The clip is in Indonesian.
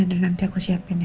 ya udah nanti aku siapin ya